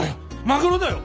マグロだよ！